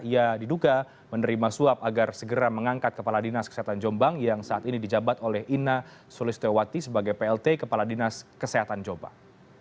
ia diduga menerima suap agar segera mengangkat kepala dinas kesehatan jombang yang saat ini dijabat oleh ina sulistewati sebagai plt kepala dinas kesehatan jombang